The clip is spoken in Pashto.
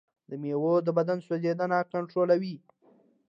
دا مېوه د بدن سوځیدنه کنټرولوي.